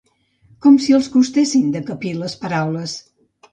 Com si els costessin de capir les paraules